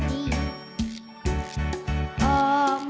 อองกอเทียเปราะอุลและมีความอ้าย